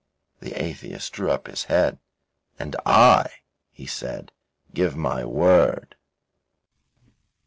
The atheist drew up his head. "And I," he said, "give my word."